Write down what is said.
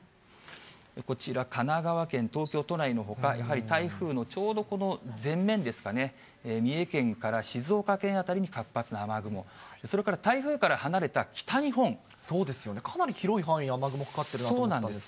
こちら、神奈川県、東京都内のほか、やはり台風のちょうどこの前面ですかね、三重県から静岡県辺りに活発な雨雲、それから台風から離れた北日そうですよね、かなり広い範囲に雨雲かかってるんですが。